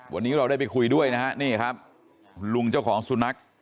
วันนี้เราได้ไปคุยด้วยนะฮะนี่ครับลุงเจ้าของสุนัข